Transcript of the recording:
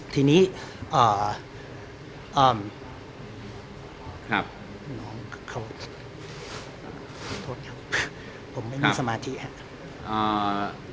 ทีนี้น้องเขาขอโทษครับผมไม่มีสมาธิครับ